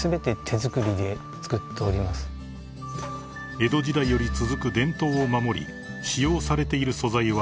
［江戸時代より続く伝統を守り使用されている素材は］